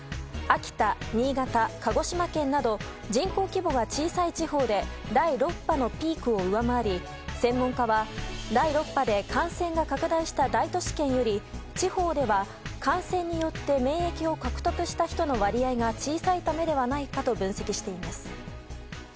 秋田、新潟、鹿児島県など人口規模が小さい地方で第６波のピークを上回り専門家は第６波で感染が拡大した大都市圏より地方では感染によって免疫を獲得した人の割合が小さいためではないかと分析しています。